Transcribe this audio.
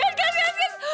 ganteng ganteng ganteng